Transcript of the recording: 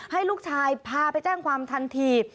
ให้ลูกชายพาไปแจ้งความทันที